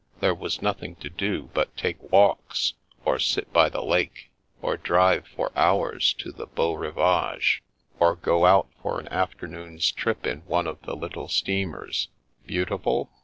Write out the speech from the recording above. There was nothing to do but take walks, or sit by the lake, or drive for lunch to the Beau Rivage, or go out for an afternoon's trip in one of the Httle steamers. Beautiful